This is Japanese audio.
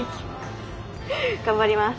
頑張ります。